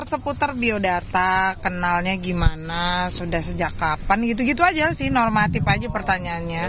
seputar biodata kenalnya gimana sudah sejak kapan gitu gitu aja sih normatif aja pertanyaannya